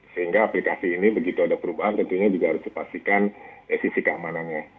sehingga aplikasi ini begitu ada perubahan tentunya juga harus dipastikan sisi keamanannya